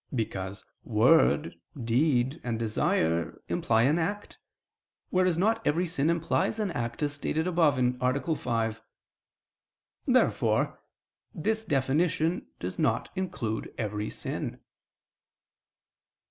Because "word," "deed," and "desire" imply an act; whereas not every sin implies an act, as stated above (A. 5). Therefore this definition does not include every sin.